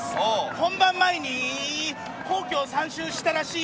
本番前に皇居を３周したらしい。